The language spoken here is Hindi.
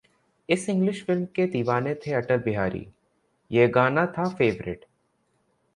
इस इंग्लिश फिल्म के दीवाने थे अटल बिहारी, ये गाना था फेवरेट